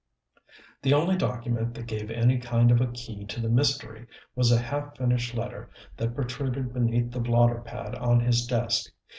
The only document that gave any kind of a key to the mystery was a half finished letter that protruded beneath the blotter pad on his desk.